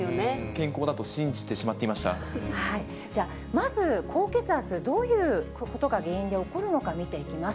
健康だと信じてしまっていまじゃあ、まず、高血圧、どういうことが原因で起こるのか、見ていきます。